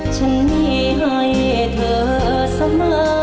ฉันมีให้เธอเสมอ